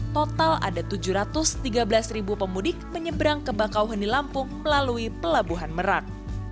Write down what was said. total ada tujuh ratus tiga belas pemudik menyeberang ke bakau henilampung melalui pelabuhan merat